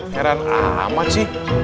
heran amat sih